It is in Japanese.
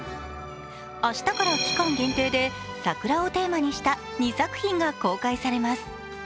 明日から期間限定で桜をテーマにした２作品が公開されます。